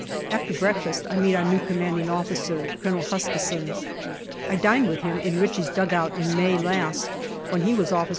After breakfast I meet our new C.O., Colonel Huskisson. I dined with him in Ritchie's dugout in May last, when he was O.C.